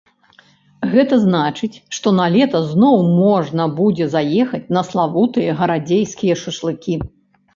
Гэта значыць, што налета зноў можна будзе заехаць на славутыя гарадзейскія шашлыкі.